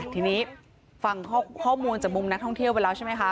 ทีนี้ฟังข้อมูลจากมุมนักท่องเที่ยวไปแล้วใช่ไหมคะ